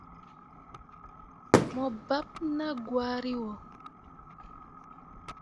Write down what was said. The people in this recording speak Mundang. Mo baɓɓe naa gwari wo.